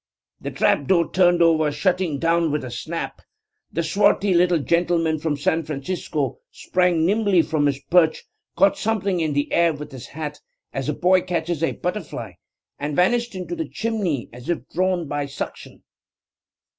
The trap door turned over, shutting down with a snap. The swarthy little gentleman from San Francisco sprang nimbly from his perch, caught something in the air with his hat, as a boy catches a butterfly, and vanished into the chimney as if drawn up by suction.